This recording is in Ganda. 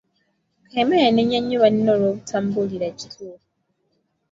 Kayima yanenya nnyo banne olw'obutamubuulira kituufu.